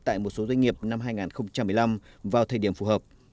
tại một số doanh nghiệp năm hai nghìn một mươi năm vào thời điểm phù hợp